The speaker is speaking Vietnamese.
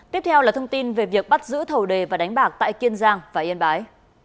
tiếp theo là thông tin về việc bắt giữ thầu đề và đánh bạc tại kiên giang và yên bái